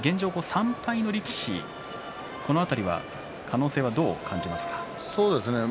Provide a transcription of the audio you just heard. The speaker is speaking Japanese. ３敗の力士、この辺りは可能性はどうですかね？